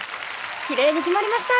きれいに決まりました！